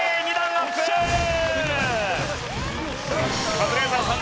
カズレーザーさん